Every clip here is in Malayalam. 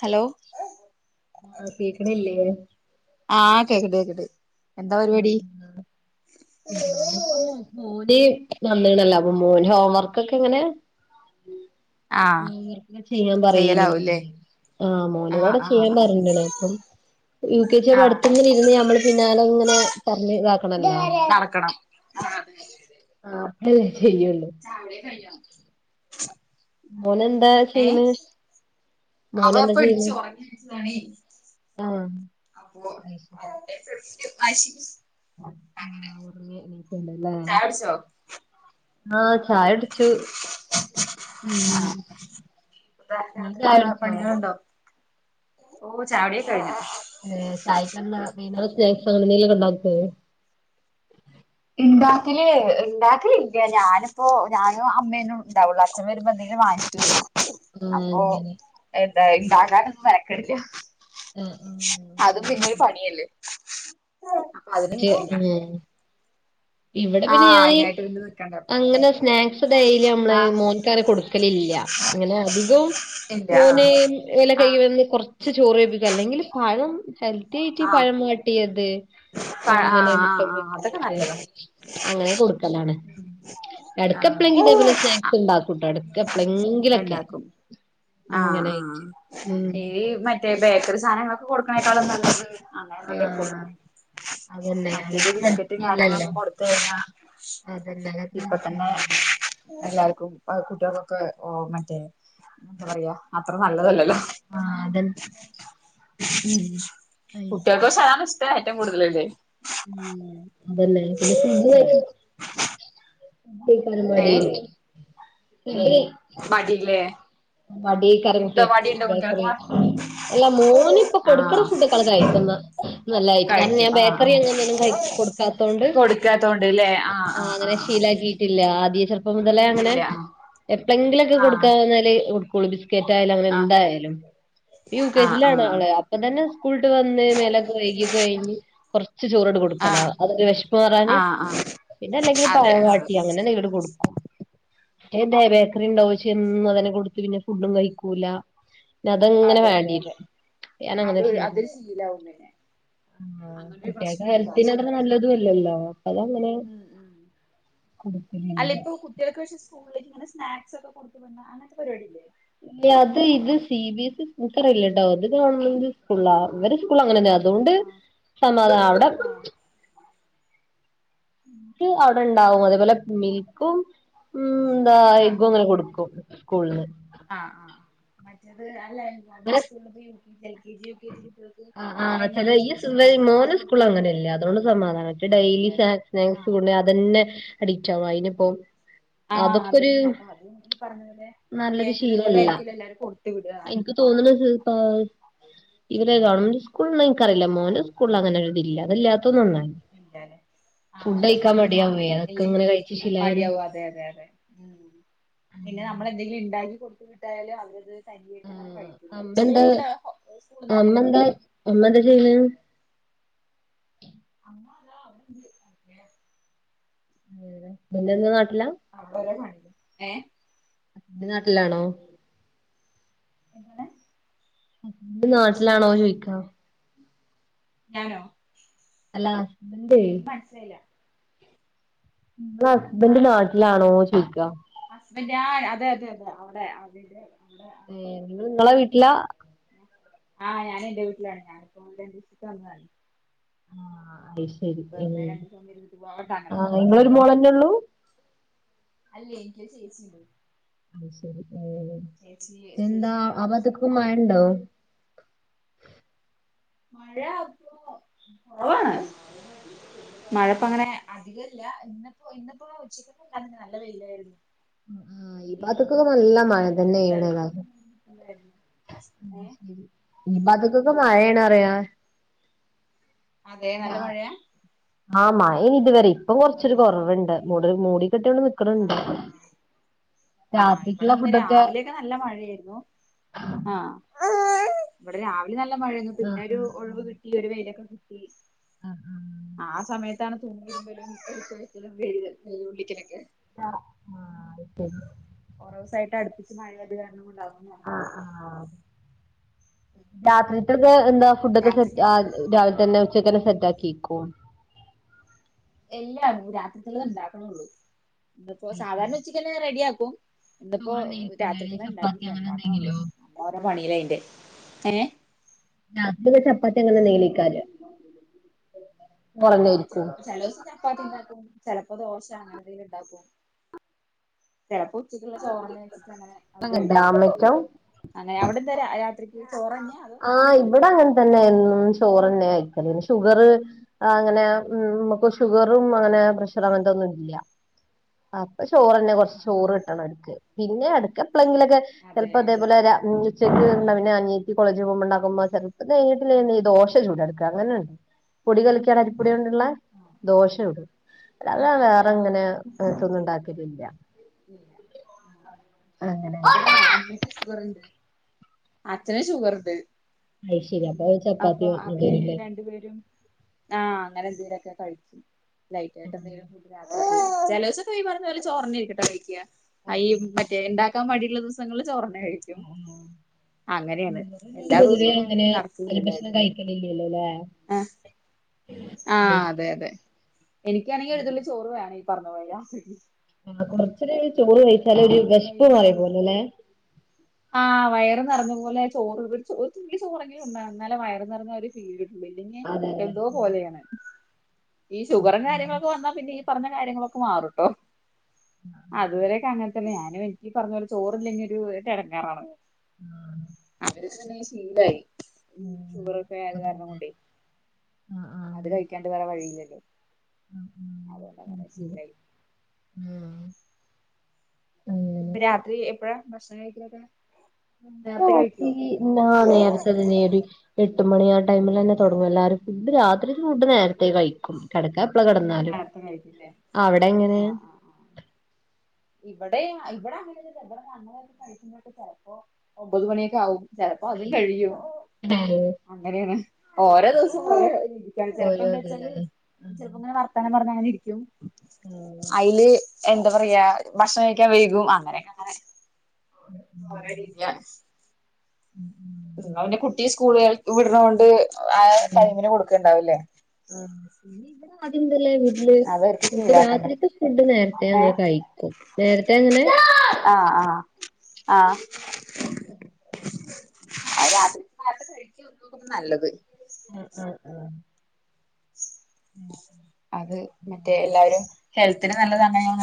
ഹലോ ആഹ കേക്കാനില്ല ആഹ് കേക്കട്ടെ കേക്കട്ട ആരുപ്പ മോന [inaudible] നന്നീണല്ലോ അപ്പ മോന് ഹോം വർക്ക്ൊക്കെ എങ്ങനെയ ആഹ് ചെയ്യലാവൂല്ലേ [inaudible] ആഹ ആഹ് മോനതോടെ ചെയ്യാൻ ആഹ് പറഞ്ഞടേ അപ്പം യുകെജി ആഹ് പഠത്തുന്നിരുന്ന് നമ്മള് പിന്നാലെങ്ങന പറഞ്ഞ ഇതാക്കണല്ലോ നടക്കണം ആ അെ ചായകുടി കഴിഞ്ഞോ? മോന എന്താ ഏഹ് ചെയ്യണ്? അവ മോൻ എന്താ ചെയ്യുന്ന? ഇപ്പടിച്ച് ഒറങ്ങി എണീച്ചതാണേ ആഹ അ ശരി അശ ചായ കുടിച്ചോ [inaudible] ചായടിച്ചു ഉ രാത്ക്കുള്ള പണികളുണ്ടോ ഓ ചായ കുടി കഴിഞ്ഞ് ഏർ ചായക്ക സ്നാക്സ് അങ്ങനെ എന്തെലക്കെ ഉണ്ട ഉണ്ടാക്കില്േ ഉണ്ടാക്കില ഇില്ല ഞാനിപ്പോൊ ഞാനും അമ്മേനും ഉണ്ടാവുള്ളൂ അച്ഛന വരുമ്പോ എന്തെങ്കിലും വാങ്ങിച്ചൂോ ആഹ അങ്ങനെ ഉണ്ടാകാനൊന്നും വരക്കടില്ല ആഹ് ആഹ് അതും അത് പിന്നെരു പണിയല്ലേ ഉ ഇ ഉം ഇവിടെ ആ പിന്നെ ഞാൻീ അയിനായിട്ട് പിന്നെ നിക്കണ്ട അപ്പൊ അങ്ങനെ സ്നാക്സ് ഡൈയില് നമ്മള് ആ മോൻക്കാരെ കൊടുക്കലില്ല അങ്ങനെ അധികം ഇല്ല മോന വല ആ ആ കൈി വന്ന് കൊറച്ച് ചോറ് വേപ്പിക്ക അല്ലെങ്കിൽ പഴം ഹെൽത്തി ആയിറ്റി ആ പഴമാട്ടിയത് ആ ആ അങ്ങനെ മുട്ട ആ അതൊക്കെ പൊങ്ങിയത് നല്ലതാ അങ്ങനെ കൊട്ക്കലാണ് എട്ക്കെപ്പളെങ്കിലും ഇതേപോലെ ആ സ്നാക്സ് ഇണ്ടാക്കുംട്ടോ എട്ക്കെ പ്പളെങ്കിലൊക്കെ ഉണ്ടാക്കും ആ ആ ഈ മറ്റേ ബേക്കറി സാനങ്ങളൊക്കെ കൊടുക്കണേക്കാളുംന്നല്ലത് അങ്ങനെന്തേലു കൊട്ക് ആഹ് അതന്നെ മറ്റേത് അതൊക്കെ ബിസ്ക്കറ്റും ഹെൽത്തിയല്ലല്ലോ കാര്യങ്ങളൊക്കെ കൊടുത്തഴഞ്ഞാ അതന്നെ അതൊക്കെ ഇപ്പ തന്നെ ഹെൽത്തിയല്ലല്ലോ എല്ലാർക്കും കുട്ട്യാക്കൊക്കെ ഓ മറ്റേ എന്താ പറയാ അത്ര നല്ലതല്ലല്ലോ ആ അതെന്നെ [unintelligible] മ്മ് അതന്നെ പിന്നെ ഫുഡ്‌ ഏ [unintelligible] മടില്ലേ മടിയേയ്കാരം [unintelligible] ഉണ്ടോ കുട്ട്യാക് മടിയുണ്ടോ ബേക്കറി കുട്ടികൾക്ക് കയികും എല്ലാ മോന് ഇപ്പൊ കൊട്ക്ക്ണ ആഹ് ഫുഡൊകാള്കയിക്കും [inaudible] നല്ലായിട്ട് കാരണം കഴിക്കും ഞാൻ ആഹ് ബേക്കറി ആഹ് അങ്ങനിങ്ങനൊന്നും കയ് കൊടുക്കാത്തോണ്ട് കൊടുക്കാത്തോണ്ട്ല്ലേ ആഹ് ആ ആഹ് അങ്ങനെ ആഹ് ശീലാക്കീട്ടില്ല ചെറ്പ്പം മുതലേ അങ്ങനെ ഇല്ല എപ്പളെങ്കിലൊക്കെ ആഹ് ആഹ് കൊടുക്കാഞാല് കൊടുക്കുള്ളൂ ബിസാകേറ്റായാലും അങ്ങനെ എന്തായാലും ഇപ്പൊ യു കെ ജി ആഹ് യിലാണ് ആഹ് ആള് അപ്പൊ തന്നെ സ്കൂള്ട്ട് വന്ന് മേലൊക്കെ കൈകിയൊക്കെ കഴിഞ്ഞ് കൊർച്ച് ചോറാട്ട് കൊട്ക്കലാ ആഹ് അതെരെ വെഷ്പ്പ് മാറാന് ആഹ് ആഹ് പിന്നെ അല്ലെങ്കില് അതെ ആഹ് പഴംവാട്ടി അങ്ങനെ ന്തേലുങ്ങട്ട് കൊടുക്കും എന്താ ബേക്കറി ഉണ്ടാവും വെച് ഏന്നും അതെന്നെ കൊടുത്ത് പിന്നെ ഫുഡും കഴിക്കൂല അതങ്ങനെ അതെ അതെ അതെ വാണ്ടിയെരും അപം ഞാനങ്ങനെ അത് അത് ശീലാക് ശീലാവും പിന്നെ ആ അങ്ങനൊരു കുട്ട്യാക് പ്രശ്നമുണ്ട് അത് ഹെൽത്തിന് അത്ര ശരിയാ നല്ലതും അല്ലല്ലോ അപ്പൊ അതങ്ങനെ [inaudible] അല്ല കൊടുക്കലില്ല ഇപ്പൊ കുട്ടികൾക്ക് പക്ഷേ [inaudible] സ്കൂ സ്കൂളീക് ങ്ങനെ സ്നാക്സ് ഒക്കെ കൊടുത്തു വിട്ണ അങ്ങൻത്തെ പരിപാടിയില്ലേ ഇല്ല അത് ഇത് സി ബി എസ് ഇൻകറീലട്ടോ ഇത് ഗവൺമെന്റ് സ്കൂളാ ഇവരെ സ്കൂള് അങ്ങനെന്നെ അതോണ്ട് ആഹ് സമാധാനം അവിടെ ആഹ് ഫുഡാ അവടെണ്ടാവും അതേപോലെ മിൽക്കും ഉം എന്താ എഗ്ഗുംങ്ങനെ കൊടുക്കും സ്കൂളിന്ന് ആ ആ മറ്റേത് അല്ല ഗവൺമെൻ്റാ അങ്ങനെ സ്കൂള് ഇപ്പം L K G U K G കുട്ടികൾക്ക് പയ്നൊന്ന് മണിക്ക് ഇപ്പോ സ്നാക്സ് വീട്ട്ന്ന് കൊടുകും അങ്ങനെല്ലാ അതോണ്ട് സമാധാന മറ്റെ ഡയ്ലി സ്നാക്സ് ആഹ് കൊണ്ടോയി അതെന്നെ അഡിക്റ്റ് ആകും അയ്ന്പ്പോം ആ അതെന്നെ അപ്പൊ അതും ഈ പറഞ്ഞ പോലെ നല്ലൊരു ബേകറി എന്തേലും ആയിരിക്കല്ലോ എല്ലാരും കൊടുത്തു വിടുകാ തോന്ന്ണെ [unintelligible] ഇവരെ ഗവൺമെന്റ് സ്കൂള്ല്ള്ള ഇൻക്കറീല മോന്റെ സ്കൂള്ൽ അങ്ങനൊരുത് ഇല്ല അതല്ലാ ഇല്ലത്തും നന്നായി ഇല്ലല്ലേ ആഹ് ഫുഡ് അതെ കഴിക്കാൻ മടിയാവേ ഇല്ലേ അതൊക്കെങ്ങനെ കഴിച്ചു ശിലായാല് മടിയാവും അതെ അതെ അതെ ഉം പിന്നെ നമ്മൾ എന്തെങ്കിലും ഇണ്ടാക്കി കൊടുത്ത് വിട്ടായാലും അവരത് തനിയെഇര്ന്നങ്ങനെ ആഹ് കഴിക്കും അമ്മ ഉച്ചക്ക്ള്ള എന്താ ഫുഡാ സ്കൂള്ന്നെന്നെ അമ്മ എന്താ കിട്ടൂല്ലേ അമ്മ എന്താ ചെയ്യണ് [unintelligible] [unintelligible] അവ്ടോരോ [unintelligible] ഏ [unintelligible] നാട്ടിലാണോ എങ്ങനെ [unintelligible] നാട്ടിലാണോ ചോയിക്കാ ഞാനോ അല്ലാ ഇൻക് മനസിലായില്ല ഇങ്ങളെ ഹസ്ബൻ്റ് നാട്ടിലാണോ ചോയ്കാ ഹസ്ബൻഡ് ആ അതെ അതെ അതെ അവിടെ അവിടെ ഏ നിങ്ങള് നിങ്ങളെ വീട്ടിലാ [unintelligible] ആ ഞാന് എൻന്റെ വീട്ടിലാണ് ഞന് ഇപ്പോ രണ്ടീസത്തിന് വന്നതാണ് ആ അത് ശരി ഏ വെറുതെ രണ്ട് ദിവസം ഇരുന്നിട്ട് പോവാണ്ട് അങ്ങനെ ആ ഇങ്ങളൊരു മോളെന്നെള്ളൂ അല്ലെനിക്കൊരു ചേച്ചിയുണ്ട് ആം ശെരി എ് എന്താ ചേച്ചിനെ കല്യാണം കഴിച്ച് അവത്തക്ക് കൊടുത്തിട്ട് മഴണ്ടോ മഴയാ ഇപ്പൊ ഓ ആണ് ആഹ് മഴപ്പങ്ങനെ അധികം യാ ഇന്നിപ്പോ ഇന്നിപ്പോ ഉച്ചക്ക് നല്ല വൈല് ആയിരുന്നു ആഹ് ഈ ഭാത്ത്ക്കൊക്കെ നല്ല മഴ തന്നെയാണ് [unintelligible] ശരി ഇനിപ്പ അതൊക്കൊക്കെ മഴയണ അറിയ അതെ നല്ല മഴയാ ആ മഴേനിതുവരെ ഇപ്പൊ ആഹ് കൊറച്ചൊരു കുറവുണ്ട് മൂടി മൂടി [unintelligible] നിക്കണൊണ്ട് ആ ഇവിടിന്ന് രാവിലെയൊക്കെ നല്ല മഴയായിരുന്നു ആ ഇവിടെ രാവിലെ നല്ല മഴയാന്നു പിന്നെ ഒരു ഒഴിവ് കിട്ടി ഒരു വെയിലൊക്കെ കിട്ടി ആ സമയത്താണ് തൂണിതിരുമലും [unintelligible] ആ ആ ഇപ്പം കുറേ ദിവസായിടുപ്പച്ച് മഴ ആയതുകാരണം കൊണ്ടാകാം ആ ആ രാത്രിലത്തൊക്കെ എന്താ ഫുഡൊക്കെ സെറ്റ് രാത്രിക്ക് ആ രാവിലെ തന്നെ ഉച്ചക്കന്നെ സെറ്റ് ആക്കിക്കുവൊ ഇല്ല രാത്രിത്തിലുള്ളത ഉണ്ടാക്കണൊള്ളൂ ഇപ്പോ സാധാരണ ഉച്ചക്കനെ റെഡിയാക്കും ഇന്നിപ്പോ രാത്രിക്കൊള്ളെ ഇണ്ടാക്കില്ല ഇണ്ടാക്കണള്ളൂ നമ്മ ഓരോ പണില്ല അയിന്റെ ഏ രാത്രി ചപ്പാത്തി അങ്ങനെ എന്തെങ്കിലും ഒക്കെയാണ് ആ ചെലപ്പോ ചലോസം ചപ്പാത്തി ഇണ്ടാക്കും ചല പ്പ ദോശ അങ്ങനെ എതെങ്കിലുണ്ടാക്കും ചെലപ്പ ഉച്ചക്കുള്ള ചോറന്നെ വെച്ചിട്ട് അങ്ങനെ അത് കഴിക്കും ഡാമറ്റം അങ്ങനെ അവിടെന്ത രാ രാത്രി ഇവിടെ അങ്ങനെ തന്നെയാരുന്നു ചോറെന്നെ വൈക്കല് ഷുഗറ് അങ്ങനെ ആഹ് ആഹ് ഉമ്മക്ക് ഷുഗറും അങ്ങനെ പ്രഷർ അങ്ങനത്തെ ഒ ന്നും ഇല്ല്യ അ അപ്പൊ ചോറന്നെ കുറച്ച് ആഹ് ചോറ് ആഹ് കിട്ടണം അടുക്ക് പിന്നെ അടുക്ക എപ്പളെങ്കിലൊക്കെ അതെ ചെൽപ്പതേ പോല ര ച്ചെ [unintelligible] ആഹ് പിന്നെ അനി കോളേജിൽ പോകുമ്പോ ഉണ്ടാക്കുമ്പോ ചിലപ്പോ വീട്ടിലെങ്ങനെ ഈ ദോശ ചുട്ടെടക്ക് അങ്ങനെ ഉണ്ട് പൊടികലക്കി ക്കവാറും ആഹ് അരിപ്പൊടികൊണ്ടുള്ള ആഹ് ദോശ ചുടും ആഹ് അല്ലാതെ ആഹ് ആഹ് വേറെങ്ങനെയ ആഹ് ഇതൊന്നും ഉണ്ടാക്കിലില്ല ഇവിടെ അമ്മയ്ക്ക് ഷുഗറുണ്ട് അച്ഛനും ഷുഗറുണ്ട് അത് ശരി അപ്പൊ ചപ്പാത്തി അപ്പൊ അവര് ഇണ്ടേനില്ലേ രണ്ടുപേരും ആ അങ്ങനെ എന്തെലുവൊക്കെ കഴിക്കും ലൈറ്റായിട്ടെന്തെങ്കിലും ഫുഡ്‌ രാവിലെ കഴിക്കും ചെലോസക്കെ ഈ പറയുന്നപോലെ ചോറന്നെ ആയിരിക്കൂട്ടോ കഴിക്ക അ ഈ മറ്റേ ഇണ്ടാ ക്കാൻ മടിയുള്ള ദിവസങ്ങളില് ചോറന്നെ കഴിക്കും. അങ്ങനെയാണ് എല്ലാ ദിവസൊന്നും നട ഒരു ഭക്ഷണം കഴിക്കലില്ലല്ലോ അല്ലേ ആ ആ അതെ അതെ എനിക്കാണെങ്കി ഒരുതുള്ളി ചോറ് വേണ എപ്പറഞ്ഞപോലെയ ആ കൊറച്ചൊരു ചോറ് കഴിച്ചാലെ ഒരു വന്ന് കഴിഞ്ഞാൽ ഈ വിശപ്പ്‌ മാറി പറഞ്ഞ പോലെ പോലെയല്ലേ ആഹ് വയറ് നിറഞ്ഞ പോലെ ചോറ് ഒരു ഒരു തുള്ളി ചോറങ്കിലും ഉണ്ണണം എന്നാലെ വയറ് നിറഞ്ഞ ഒരു ഫീല് കി ട്ടുള്ളു ഇല്ലെങ്കി അതെ അതെ എന്തോ പോലെണ് ഈ ഷുഗറും കാര്യങ്ങളൊക്കെ വന്നാ പിന്നെ ഈ പറഞ്ഞ കാര്യങ്ങളൊക്കെ മാറൂട്ടോ അതുവരെയൊക്കെ അങ്ങനെ തന്നെയാ ഞാനും എനിക്കി പറഞ്ഞ പോല ചോറല്ലെങ്കി ഒരു ഒരെടങ്ങേറാണ് ആ അതങ്ങനെ ശീലായി ഷുഗറൊക്കെ ആയത് കാരണം കൊണ്ടേ ആ ആ അത് കഴിക്കാണ്ട് വേറെ വഴിയില്ലല്ലോ [unintelligible] അങ്ങനെ രാത്രി എപ്പഴാ ഭക്ഷണം കഴിക്കെല് ണോക്കി ആ നേർച്ചരി നേ പട്ടുമണി ആ ടൈമിൽ തന്നെ തുടങ്ങും എല്ലാരരും ഫുഡ് രാത്രി ഫുഡ് നേരത്തെേ കഴിക്കും കിടക്ക നേത്തെ കഴട്ടില്ലേ എങ്ങനെ ആ ആ ആ ഇവിടെ ഇവിടെ അങ്ങനൊന്നും ഇല്ല ഇവിടെ [unintelligible] കഴിക്കുമ്പഴത്തെക്കും ചെലപ്പോ ഒമ്പത് മണിയൊക്കെ ആകും പെ ചെലപ്പോ അതും അയ് കഴിയും ശരി അങ്ങനെയാണ് ഓരോ ദിവസം ഓരോരീതിക്കാണ് ഓരോ ചെലപ്പോന്താച്ചാല് ഇതല്ലേ ചെലപ്പോ ഇങ്ങനെ വർ അന്നേരം അത് എങ്ങനെ ഇരിക്കും അയില് എ ന്താ പറയാ ഭക്ഷണം കഴിക്കാൻ വൈകും അങ്ങനെയൊക്കെ അങ്ങനെ [unintelligible] ഉം അവന്റെ കുട്ടിയെ സ്കൂളുകൾ വിടണൊണ്ട് ആ ൈമിന് കൊടുക്കണ്ടാവല്ലേ അതിന്തല്ലേ വല് ഫ ശീലാക്കണ്ടേ രാത്രിക്ക് ഫുഡ് നേരത്തെ അങ്ങനെ ഏഹ് കഴിക്കും നേരത്തെ അങ്ങനെ ആ ആ ആ ആക്ക അ രാത്രിത്ത കഴിക്കന്നക്കെ നല്ലത് ഹഹഹ അത് മറ്റേ എല്ലാവാരും ഹെൽത്തിന് നല്ലതാണ് ഞാൻ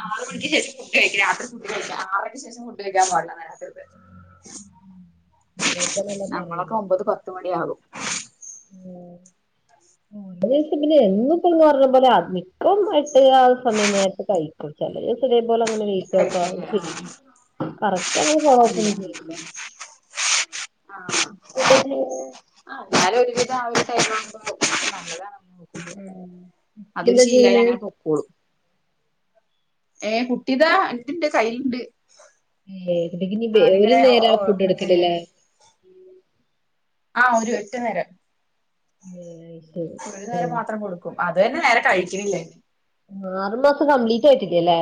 ആറ് മണിക്ക് ശേഷം ഫുഡ് കഴിക്ക രാത്രി ഫുഡ്ഴിക്കുക ആറക്ക് ശം ഫുഡ് കഴാൻാടില്ല രാത്രി അങ്ങനെയൊക്കെയാണല്ലോ നമ്മളൊക്കെ പറയല് ഒമ്പത് പത്ത് മണിയാകും [inaudible] അം പിന്നെ എിപ്പോന്ന് പറഞ്ഞ പോലെ അത്മപ്പം മട്ട ആ സമയായിട്ട് കഴിക്കും ച പോലെ അങ്ങനെ വീറ്റ്ക്ക കഴിക്കില്ലേ ആ ചെയ്യും കറക്റ്റ് ഇല്ല അങ്ങനെഴപ്പൊും ഉം ചെയല്ല [inaudible] ആഹ് ആഹ് [inaudible] [unintelligible] അതൊരു എന്താ ശീലാ യി ചെയ്യണേ അങ്ങനെ പൊക്കോളൂ ഏ കുട്ടിതാ അതിന്റെ കയില്ണ്ട് എക്ക് ഒരു നേര ഓ ഫുഡ് മറ്റേ എടുക്കണ്ടല്ലേ ആ ഒരു ഒറ്റ നേരം ഏഹ് ശരി ഒരു നേരം ഏഹ് മാത്രം കൊടുക്കും അത് തന്നെ നേരെ കഴിക്കുന്നില്ല ആറുമാസം കംപ്ലീറ്റ് ആയിട്ടില്ലല്ലേ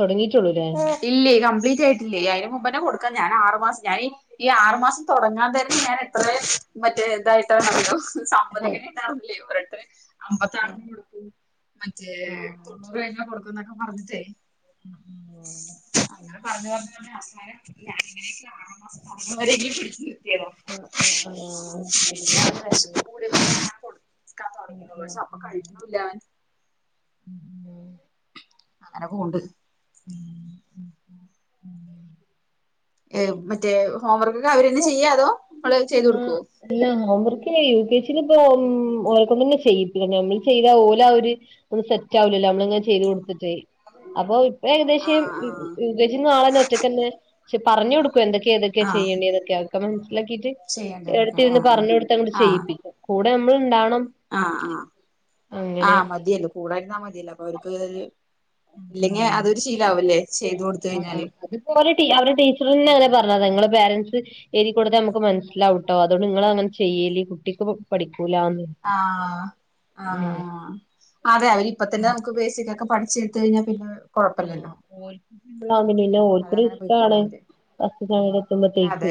തുടങ്ങിയിട്ടുള്ളൂല്ലേ ഇല്ലേ കം്ലീറ്റ് ആയിട്ടില്ലേ ആയിരം മുമ്പന്നെ കൊടുക്ക ഞാൻ ആറുമാസം ഞാൻ ഈ ആറുമാസം തുടങ്ങാൻ തന്നെ ഞാൻ എത്ര മറ്റേ ഇതായിട്ട അറിയോ സാമ്പതിക നേട്ടാല്ലേ ഒട്ട അമ്പത്താറിന് കൊടുക്കും മറ്റേ തൊണ്ണൂറ് കഴിന് കൊടുക്കും എന്നൊക്കെ പറഞ്ഞിട്ടേ [inaudible] അങ്ങന പരഞ്ഞ [unintelligible] ആ ആ ആഹ അ തുടങ്ങിയള്ളൂ അപ്പ കഴിക്കില്ല അവൻ ഉം അങ്ങനെ പോെണ്ട് [inaudible] മറ്റേ ഹോംവർക്ക്ൊക്കെ അവര്ന്ന ചെയ്യാതോ ആ ഇല്ല ഹോംവർക്കിന പ്രത്േ ഇപ്പോ ഓ കൊണ്ട്ന്ന ചെയ്യി നമ്മള് ചെയ്താ ഓല ഒരു ഒന്ന് സെറ്റ് ആവില്ലല്ലോ നമ്മളിങ്ങനെ ചെയ്ത് കൊടുത്തിട്ട് [unintelligible] അപ്പൊ ഇപ്പൊ ഏകദേശം ആഹ് യുകെജി നാളെന്ന ഒറ്റക്കന്നെെ പറഞ്ഞ കൊടുക്കും എന്തൊക്കെയ ഏതൊക്കെയാ ആഹ് ചെയ്യ ആഹ് തൊക്കെക്കെ മനസ്സിലാക്കിട്ട് ചെയ്യണ്ടന്നൊക്കെ എടുത്തിരുന്ന് ആഹ് പറഞ്ഞു കൊടുത്താ കൂ ചെയ്യിപ്പിക്കാം കൂടെ നമ്മൾ ഉണ്ടാവണം ആ ആ അങ്ങനെ ആ മതിയല്ലേ കൂടതിരുന്നാ മതിയല്ല അപ്പൊ അവർക്ക് ഇല്ലെങ്കി അതൊരു ശീലവല്ലേ ആ അ അത് ഇപ്പോ ഒലെ ടീച്ചറി അങ്ങനെ ഉം പറഞ്ഞ നിങ്ങള പേരൻസ് എഴതിൂടു നമുക്ക് മനസ്സിലാവൂട്ടോ അതുകൊണ്ട് നിങ്ങളനെ ചെയ്യല്ലി കുട്ടിക്ക് പടിക്ക് ആ ആ ഉം ആ അതെ അവരിപ്പ തന്നെ നമുക്ക് ബേസിക്കൊക്കെ പഠിച്ചെടുത്ത കഴിഞാ പിന്നെ ആ കൊഴപ്പല്ലല്ലോ ഓൽക് [unintelligible] ഓൾക്കും അതങ്ങനെ റിസ്കാണ് പൊയ്ക്കോളും അവര് ബസ് സമയത്തിന് എത്തുമ്പോഴേക്കും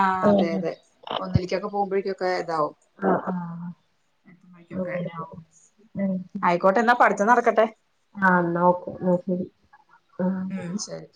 ആ അതെ അതെ ഒന്നിലിക്കൊക്കെ പോകുമ്പോഴേക്കൊ ആ ആ എത്തുമ്പോഴേക്കൊക്കെ അങ്ങനെ ആവും ആയിക്കോട്ടെ എന്നാ പഠിത്തം നടക്കട്ടെ ആ എന്ന ഓക്കെ അയ് ശരി ഉം ശരി